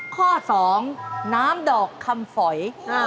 ข้อ๒น้ำดอกคำฝอย